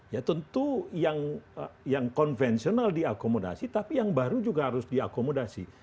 ya tentu yang konvensional diakomodasi tapi yang baru juga harus diakomodasi